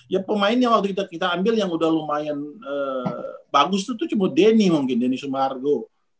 ya pemainnya waktu kita ambil yang udah lumayan bagus itu cuma denny mungkin denny sumargo